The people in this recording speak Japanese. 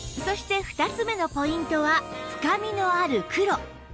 そして２つ目のポイントは「深みのある黒」